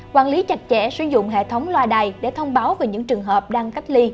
quản lý chặt chẽ sử dụng hệ thống loa đài để thông báo về những trường hợp đang cách ly